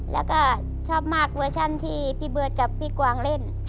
แล้วก็ชอบมากเวอร์ชันที่พี่เบิร์ตกับพี่กวางเล่น